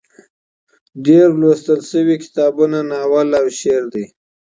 ډېر لوستل شوي کتابونه ناول او شعر دي.